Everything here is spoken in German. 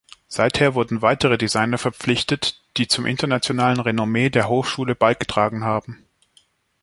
Seither wurden weitere Designer verpflichtet, die zum internationalen Renommee der Hochschule beigetragen haben.